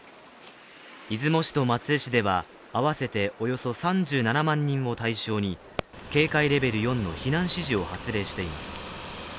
出雲市と松江市では合わせておよそ３７万人を対象に警戒レベル４の避難指示を発令しています。